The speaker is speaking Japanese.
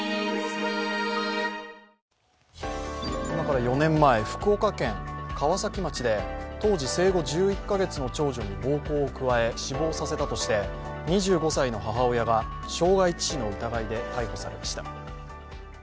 今から４年前、福岡県川崎町で当時生後１１カ月の長女に暴行を加え、死亡させたとして２５歳の母親が傷害致死の疑いで逮捕されました。